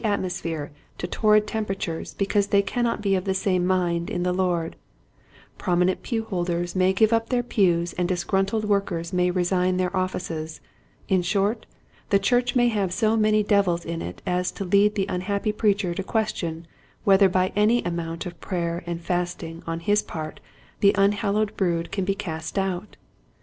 atmosphere to torrid temperatures because they cannot be of the same mind in the Lord, prominent pew holders may give up their pews and disgruntled workers may resign their offices, in short the church may have so many devils in it as to lead the unhappy preacher to question whether by any amount of prayer and fasting on his part the unhallowed brood can be cast out.